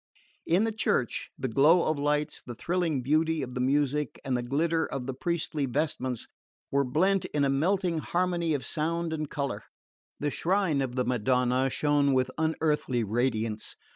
In the church, the glow of lights, the thrilling beauty of the music and the glitter of the priestly vestments were blent in a melting harmony of sound and colour. The shrine of the Madonna shone with unearthly radiance.